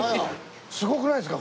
すごくないですか？